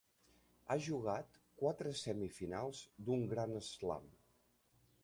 Ha jugat quatre semifinals d'un Gran Slam.